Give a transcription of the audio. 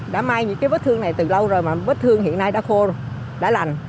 đã mai những cái vết thương này từ lâu rồi mà vết thương hiện nay đã khô đã lành